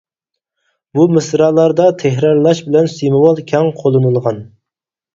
بۇ مىسرالاردا تەكرارلاش بىلەن سىمۋول تەڭ قوللىنىلغان.